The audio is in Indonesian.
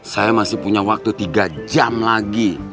saya masih punya waktu tiga jam lagi